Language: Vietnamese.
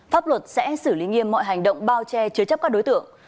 pháp luật sẽ xử lý nghiêm mọi hành động bao che chứa chấp các đối tượng